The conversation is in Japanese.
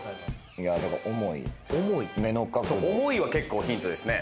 いやだから重いは結構ヒントですね